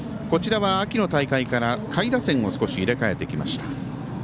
こちらは秋の大会から下位打線を少し入れ替えてきました。